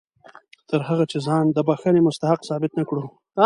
تر هغه چې ځان د بښنې مستحق ثابت نه کړو.